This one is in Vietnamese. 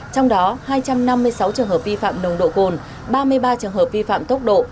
trong đó hai trăm năm mươi sáu trường hợp vi phạm nồng độ cồn ba mươi ba trường hợp vi phạm tốc độ